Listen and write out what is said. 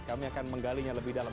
kami akan menggalinya lebih dalam